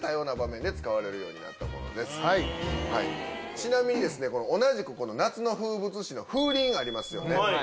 ちなみに同じく夏の風物詩の風鈴ありますよね。